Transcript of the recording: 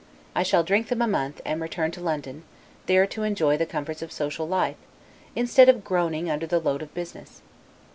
I shall drink them a month, and return to London, there to enjoy the comforts of social life, instead of groaning under the load of business.